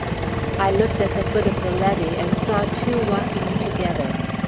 I looked at the foot of the levee, and saw two walking together.